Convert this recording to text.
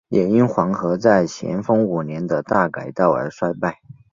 也因黄河在咸丰五年的大改道而衰败。